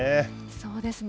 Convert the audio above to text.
そうですね。